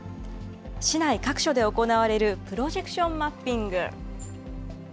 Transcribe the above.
市内各所で行われるプロジェクションマッピング。